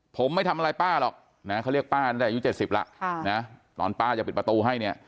ผมไม่ทำอะไรป้าหรอกนะเขาเรียกป้าตั้งแต่อายุ๗๐แล้วนะตอนป้าจะปิดประตูให้เนี่ย